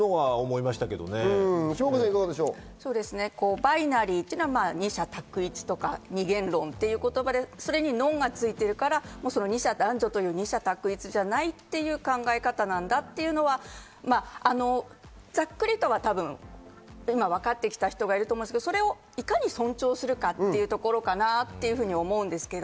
バイナリーというのは二者択一とか、二元論という言葉で、それに「ノン」がついているから、男女という二者択一じゃないという考え方なんだというのは、ざっくりとは分かってきた人がいると思うんですが、それをいかに尊重するのかというところかなと思うんです。